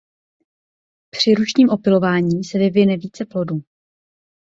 Při ručním opylování se vyvine více plodů.